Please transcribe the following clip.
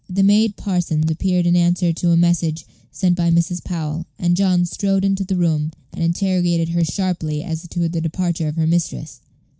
The maid Parsons appeared in answer to a message sent by Mrs. Powell, and John strode into the room, and interrogated her sharply as to the departure of her mistress.